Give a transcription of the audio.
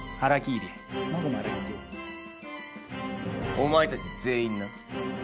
「お前たち全員な」